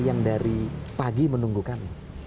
yang dari pagi menunggu kami